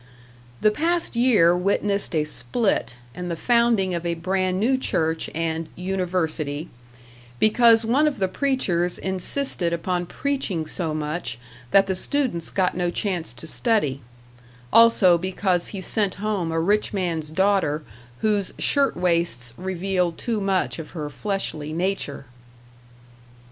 The past year witnessed a split, and the founding of a brand new church and "University" because one of the preachers insisted upon preaching so much that the students got no chance to study; also because he sent home a rich man's daughter whose shirt waists revealed too much of her fleshly nature.